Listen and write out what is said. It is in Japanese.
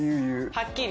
はっきり？